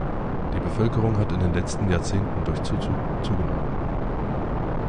Die Bevölkerung hat in den letzten Jahrzehnten durch Zuzug zugenommen.